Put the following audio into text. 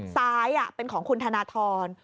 ซ้ายเป็นของคุณธนทร